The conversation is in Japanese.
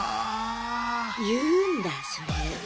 言うんだそれは。